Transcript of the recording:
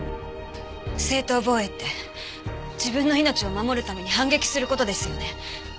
正当防衛って自分の命を守るために反撃する事ですよね？